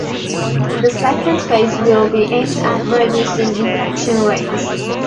The second phase will be aimed at reducing infection rates.